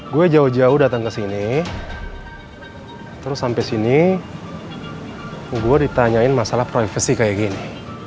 gue jauh jauh datang ke sini terus sampai sini gue ditanyain masalah privasi kayak gini